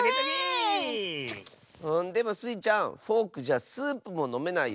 でもスイちゃんフォークじゃスープものめないよ。